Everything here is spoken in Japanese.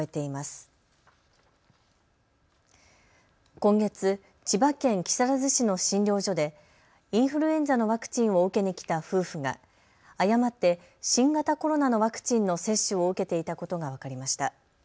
今月、千葉県木更津市の診療所でインフルエンザのワクチンを受けに来た夫婦が誤って新型コロナのワクチンの接種を受けていたことが分かりました。